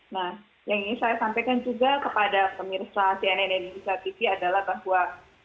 nah yang ingin saya sampaikan juga kepada pemirsa cnn indonesia tv adalah bahwa